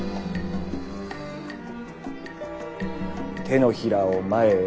手のひらを前へ。